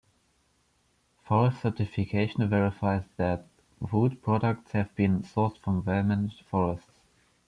Forest certification verifies that wood products have been sourced from well-managed forests.